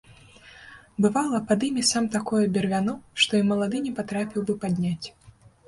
Бывала, падыме сам такое бервяно, што і малады не патрапіў бы падняць.